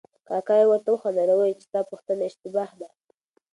کاکا یې ورته وخندل او ویې ویل چې ستا پوښتنه اشتباه ده.